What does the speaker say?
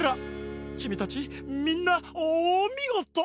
チミたちみんなおみごと！